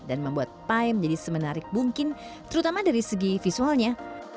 dan membuat kue pie menjadi semenarik mungkin terutama dari segi visualnya